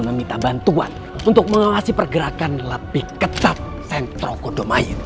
meminta bantuan untuk mengawasi pergerakan lebih ketat sentro kodomain